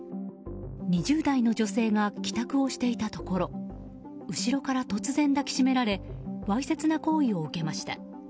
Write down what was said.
２０代の女性が帰宅をしていたところ後ろから突然、抱きしめられわいせつな行為を受けました。